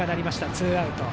ツーアウト。